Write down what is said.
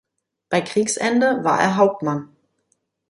Bei Kriegsende war er Hauptmann.